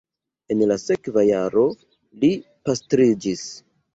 En la sekva jaro li pastriĝis.